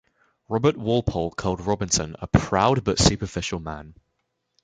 Robert Walpole called Robinson 'a proud but superficial man'.